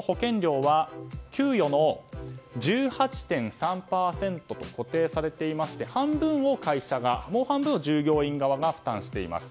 保険料は給与の１８．３％と固定されていまして半分を会社がもう半分を従業員側が負担しています。